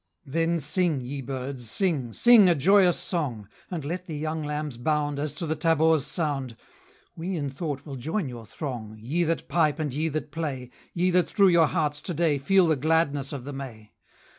Then sing, ye birds, sing, sing a joyous song! And let the young lambs bound As to the tabor's sound! 175 We in thought will join your throng, Ye that pipe and ye that play, Ye that through your hearts to day Feel the gladness of the May!